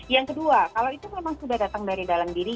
yang kedua kalau itu memang sudah datang dari dalam diri